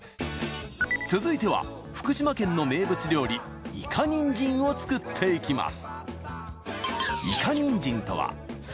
続いては福島県の名物料理いかにんじんを作っていきます。